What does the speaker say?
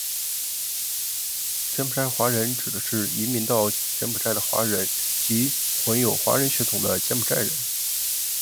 柬埔寨华人指的是移民到柬埔寨的华人及混有华人血统的柬埔寨人。